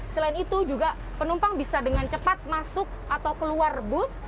selain itu juga penumpang bisa dengan cepat masuk atau keluar bus